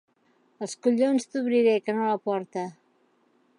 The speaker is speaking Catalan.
Els collons t'obriré, que no la porta.